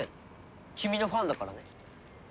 君のファンだからね。